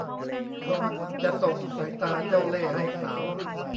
เขามักจะส่งสายตาเจ้าเล่ห์ให้สาว